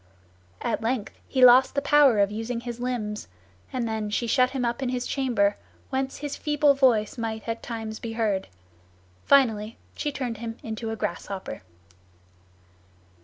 At length he lost the power of using his limbs, and then she shut him up in his chamber, whence his feeble voice might at times be heard. Finally she turned him into a grasshopper.